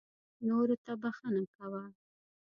نورو ته بښنه کوه .